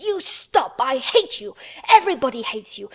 "You stop! I hate you! Everybody hates you!